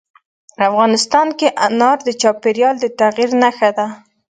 افغانستان کې انار د چاپېریال د تغیر نښه ده.